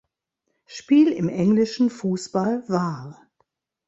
Spiel im englischen Fußball war.